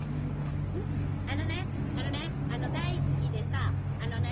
あのねあのねあの大好きでさあのね